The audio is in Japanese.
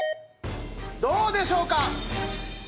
どうでしょうか？